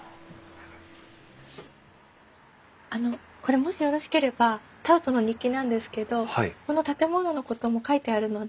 あのこれもしよろしければタウトの日記なんですけどこの建物のことも書いてあるので。